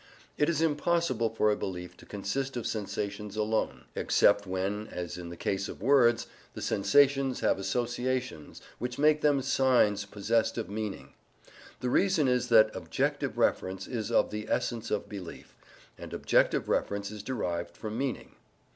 It is impossible for a belief to consist of sensations alone, except when, as in the case of words, the sensations have associations which make them signs possessed of meaning. The reason is that objective reference is of the essence of belief, and objective reference is derived from meaning.